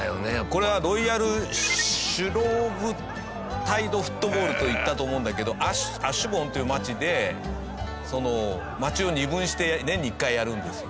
これはロイヤル・シュローブタイド・フットボールといったと思うんだけどアシュボーンっていう町で町を二分して年に一回やるんですよ。